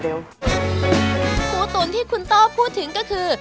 หมูตุ๋นที่คุณโต้พูดถึงก็คือ